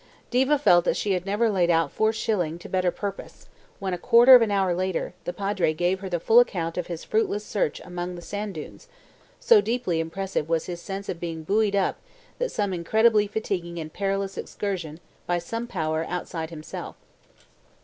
Diva felt that she had never laid out four shilling to better purpose, when, a quarter of an hour later, the Padre gave her the full account of his fruitless search among the sand dunes, so deeply impressive was his sense of being buoyed up to that incredibly fatiguing and perilous excursion by some Power outside himself.